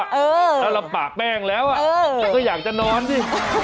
แล้วลำบากแป้งแล้วก็อยากจะนอนสิ